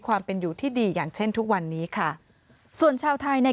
ความเป็นอยู่ที่ดีอย่างเช่นทุกวันนี้ค่ะส่วนชาวไทยใน